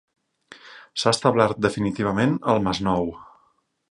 S'ha establert definitivament al Masnou.